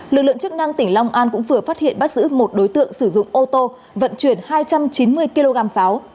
lực lượng chức năng tỉnh long an cũng vừa phát hiện bắt giữ một đối tượng sử dụng ô tô vận chuyển hai trăm chín mươi kg pháo